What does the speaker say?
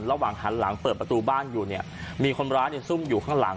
ระหว่างหันหลังเปิดประตูบ้านอยู่เนี่ยมีคนร้ายซุ่มอยู่ข้างหลัง